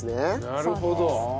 なるほど。